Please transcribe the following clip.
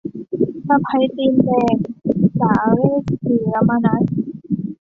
สะใภ้ตีนแดง - สาเรส ศิระมนัส